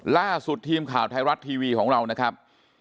ล่าสุดทีมข่าวไทยรัฐทีวีของเรานะครับ